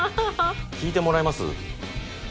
聞いてもらえます？